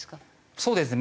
そうですね。